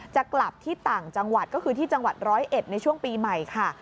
จะกลับที่ต่างจังหวัดก็คือที่จังหวัดร้อยเอ็ดในช่วงปีใหม่ค่ะ